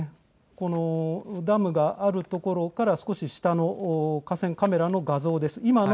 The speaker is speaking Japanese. このダムがある所から少し下の河川カメラの画像です。